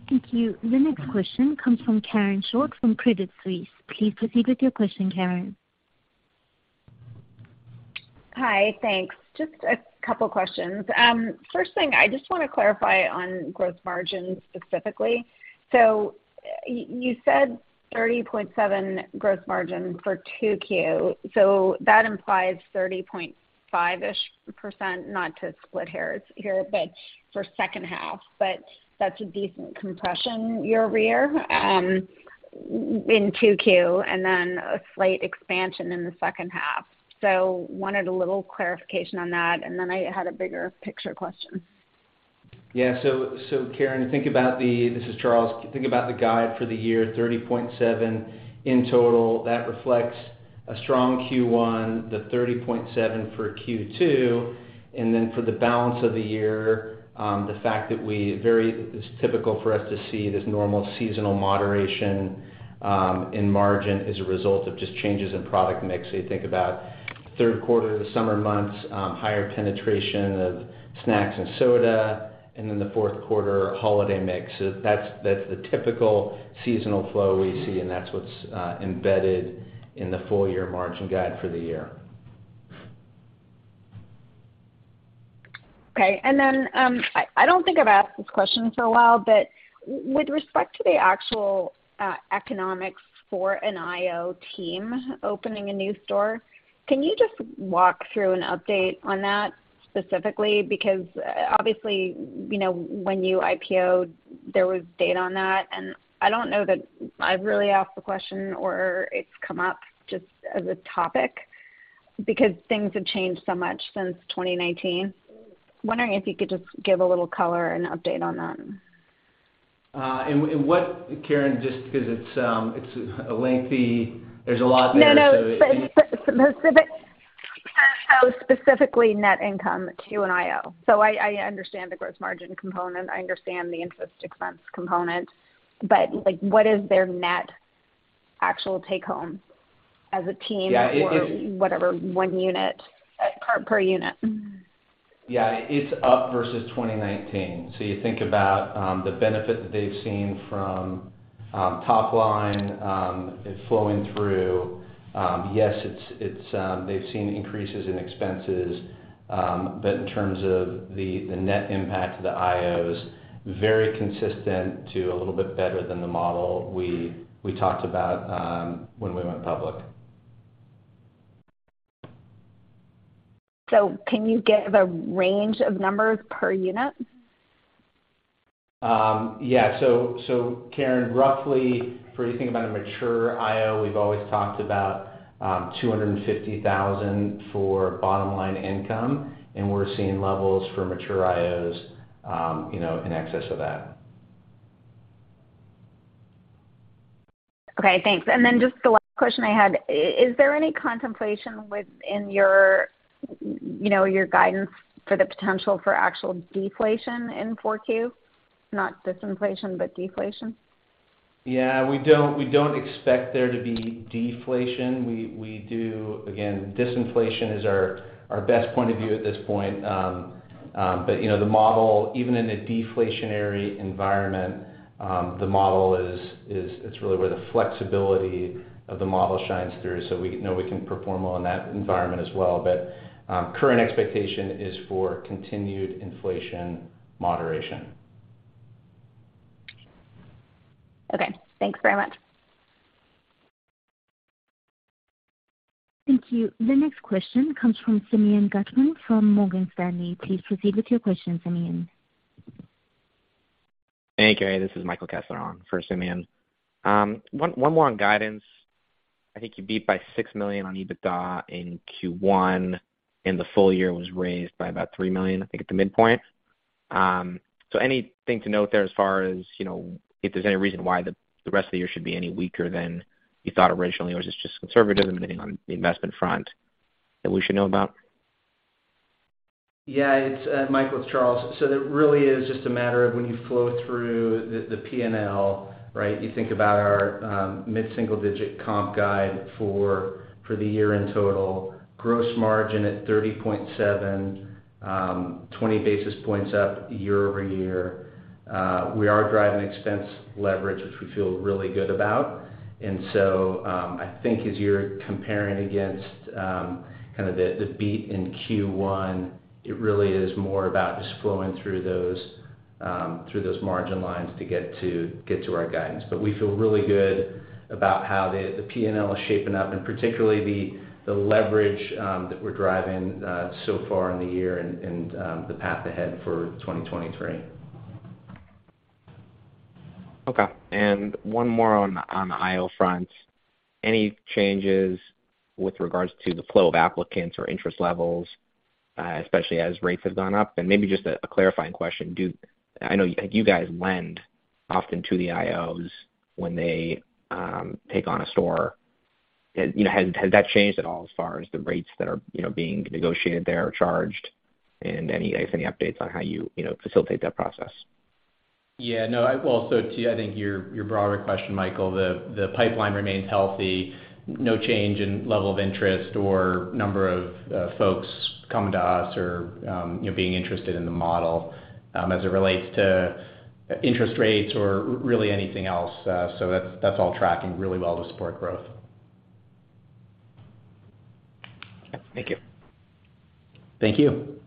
Thank you. The next question comes from Karen Short from Credit Suisse. Please proceed with your question, Karen. Hi. Thanks. Just a couple questions. First thing, I just wanna clarify on gross margin specifically. You said 30.7 gross margin for 2Q. That implies 30.5%-ish, not to split hairs here, but for second half. That's a decent compression year-over-year in 2Q, and then a slight expansion in the second half. Wanted a little clarification on that, and then I had a bigger picture question. Karen, This is Charles. Think about the guide for the year, 30.7% in total. That reflects a strong Q1, the 30.7% for Q2. For the balance of the year, the fact that it's typical for us to see this normal seasonal moderation in margin as a result of just changes in product mix. You think about third quarter, the summer months, higher penetration of snacks and soda, the fourth quarter, holiday mix. That's the typical seasonal flow we see, that's what's embedded in the full year margin guide for the year. I don't think I've asked this question for a while, but with respect to the actual economics for an IO team opening a new store, can you just walk through an update on that specifically? Because obviously, you know, when you IPO'd, there was data on that, and I don't know that I've really asked the question or it's come up just as a topic because things have changed so much since 2019. Wondering if you could just give a little color and update on that. Karen, just because it's a lengthy... There's a lot there to- No. Specific. Specifically net income to an IO. I understand the gross margin component. I understand the interest expense component. Like, what is their net actual take home as a team? Yeah. Whatever one unit, per unit. Yeah. It's up versus 2019. You think about the benefit that they've seen from top line, it flowing through. Yes, it's, they've seen increases in expenses. In terms of the net impact to the IOs, very consistent to a little bit better than the model we talked about when we went public. Can you give a range of numbers per unit? Yeah. Karen, roughly for you think about a mature IO, we've always talked about $250,000 for bottom line income. We're seeing levels for mature IOs, you know, in excess of that. Okay, thanks. Just the last question I had, is there any contemplation within your, you know, your guidance for the potential for actual deflation in 4Q? Not disinflation, but deflation? Yeah, we don't expect there to be deflation. Again, disinflation is our best point of view at this point. You know, the model, even in a deflationary environment, the model is it's really where the flexibility of the model shines through. We know we can perform well in that environment as well. Current expectation is for continued inflation moderation. Okay. Thanks very much. Thank you. The next question comes from Simeon Gutman from Morgan Stanley. Please proceed with your question, Simeon. Thank you. This is Michael Kessler on for Simeon. One more on guidance. I think you beat by $6 million on EBITDA in Q1, and the full year was raised by about $3 million, I think, at the midpoint. Anything to note there as far as, you know, if there's any reason why the rest of the year should be any weaker than you thought originally? Or is this just conservatism depending on the investment front that we should know about? It's Michael, it's Charles. It really is just a matter of when you flow through the P&L, right? You think about our mid-single-digit comp guide for the year-end total. Gross margin at 30.7%, 20 basis points up year-over-year. We are driving expense leverage, which we feel really good about. I think as you're comparing against kind of the beat in Q1, it really is more about just flowing through those through those margin lines to get to our guidance. We feel really good about how the P&L is shaping up, and particularly the leverage that we're driving so far in the year and the path ahead for 2023. Okay. One more on the IO front. Any changes with regards to the flow of applicants or interest levels, especially as rates have gone up? Maybe just a clarifying question. I know you guys lend often to the IOs when they take on a store. Has, you know, that changed at all as far as the rates that are, you know, being negotiated there or charged? Guys, any updates on how you know, facilitate that process? Yeah, no, well, I think your broader question, Michael, the pipeline remains healthy. No change in level of interest or number of folks coming to us or, you know, being interested in the model as it relates to interest rates or really anything else. That's all tracking really well to support growth. Thank you. Thank you.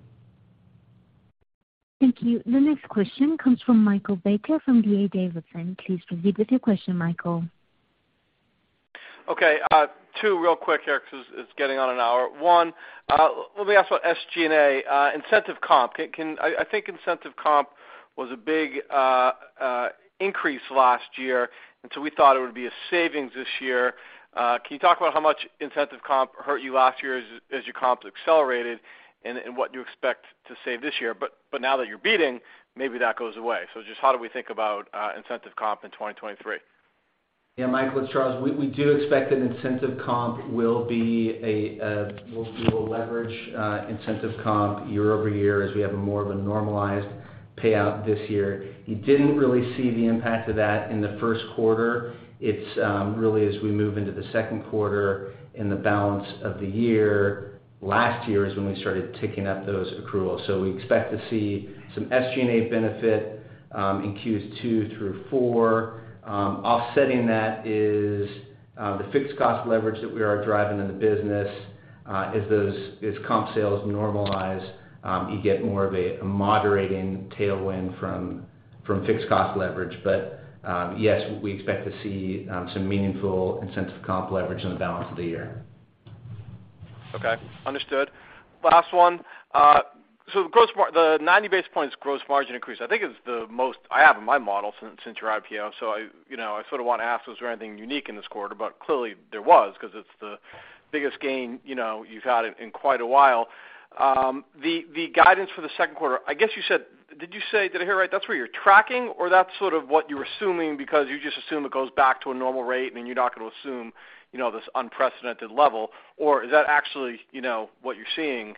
Thank you. The next question comes from Michael Baker from D.A. Davidson. Please proceed with your question, Michael. Okay. two real quick here because it's getting on an hour. One, let me ask about SG&A, incentive comp. I think incentive comp was a big increase last year, and so we thought it would be a savings this year. Can you talk about how much incentive comp hurt you last year as your comps accelerated and what you expect to save this year? But now that you're beating, maybe that goes away. Just how do we think about incentive comp in 2023? Yeah, Michael, it's Charles. We do expect an incentive comp will be a, we'll leverage incentive comp year-over-year as we have more of a normalized payout this year. You didn't really see the impact of that in the first quarter. It's really as we move into the second quarter and the balance of the year. Last year is when we started ticking up those accruals. We expect to see some SG&A benefit in Q2 through four. Offsetting that is the fixed cost leverage that we are driving in the business. As comp sales normalize, you get more of a moderating tailwind from fixed cost leverage. Yes, we expect to see some meaningful incentive comp leverage in the balance of the year. Okay. Understood. Last one. The gross margin, the 90 basis points gross margin increase, I think is the most I have in my model since your IPO. I, you know, I sort of want to ask, was there anything unique in this quarter? Clearly there was, 'cause it's the biggest gain, you know, you've had in quite a while. The guidance for the second quarter, I guess you said... Did I hear right? That's where you're tracking or that's sort of what you're assuming because you just assume it goes back to a normal rate and you're not gonna assume, you know, this unprecedented level? Is that actually, you know, what you're seeing,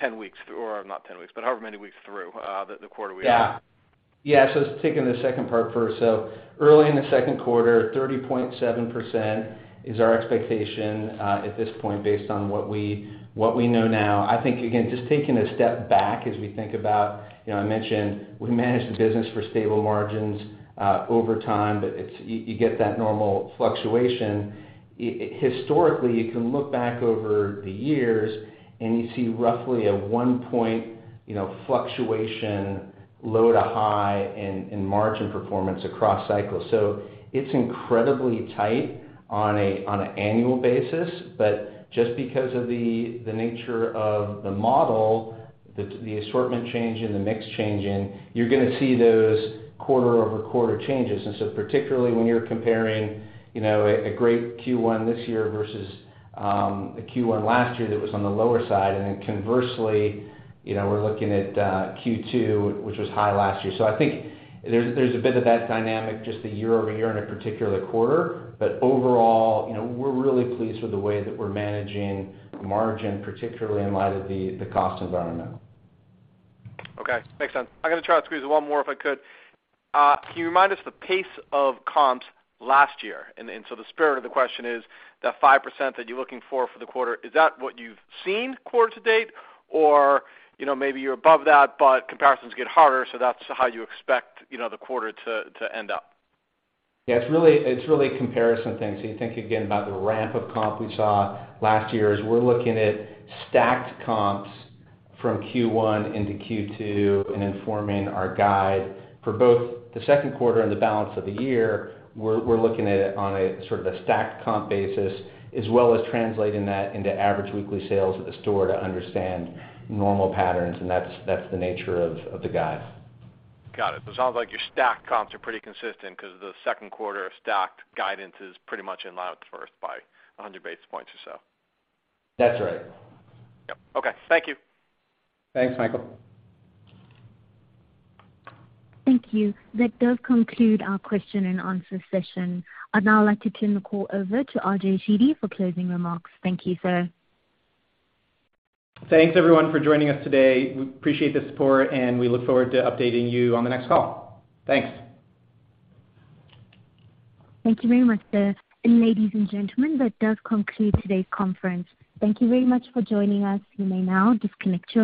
10 weeks or not 10 weeks, but however many weeks through the quarter we are in? Yeah. Yeah. Just taking the second part first. Early in the second quarter, 30.7% is our expectation at this point based on what we, what we know now. I think, again, just taking a step back as we think about, you know, I mentioned we manage the business for stable margins over time, but you get that normal fluctuation. Historically, you can look back over the years and you see roughly a 1 point, you know, fluctuation, low to high in margin performance across cycles. It's incredibly tight on an annual basis, but just because of the nature of the model, the assortment change and the mix change in, you're gonna see those quarter-over-quarter changes. Particularly when you're comparing, you know, a great Q1 this year versus, a Q1 last year that was on the lower side, and then conversely, you know, we're looking at Q2, which was high last year. I think there's a bit of that dynamic, just the year-over-year in a particular quarter. Overall, you know, we're really pleased with the way that we're managing margin, particularly in light of the cost environment. Okay. Makes sense. I'm gonna try to squeeze one more, if I could. Can you remind us the pace of comps last year? The spirit of the question is the 5% that you're looking for for the quarter, is that what you've seen quarter to date? Or, you know, maybe you're above that, but comparisons get harder, so that's how you expect, you know, the quarter to end up? Yeah, it's really comparison things. You think again about the ramp of comp we saw last year. As we're looking at stacked comps from Q1 into Q2 and informing our guide for both the second quarter and the balance of the year, we're looking at it on a sort of a stacked comp basis, as well as translating that into average weekly sales at the store to understand normal patterns, and that's the nature of the guide. Got it. It sounds like your stacked comps are pretty consistent 'cause the second quarter of stacked guidance is pretty much in line with first by 100 basis points or so. That's right. Yep. Okay. Thank you. Thanks, Michael. Thank you. That does conclude our question and answer session. I'd now like to turn the call over to RJ Sheedy for closing remarks. Thank you, sir. Thanks, everyone, for joining us today. We appreciate the support and we look forward to updating you on the next call. Thanks. Thank you very much, sir. ladies and gentlemen, that does conclude today's conference. Thank you very much for joining us. You may now disconnect your lines